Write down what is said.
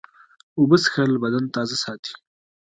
اوبه څښل بدن تازه ساتي.